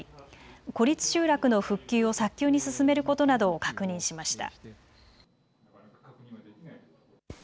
孤立集落の復旧を早急に進めることなどを確認しました。